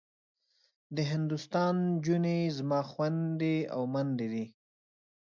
د هندوستان نجونې زما خوندي او مندي دي.